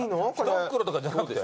一袋とかじゃなくて？